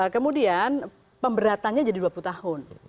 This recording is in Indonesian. kemudian pemberatannya jadi dua puluh tahun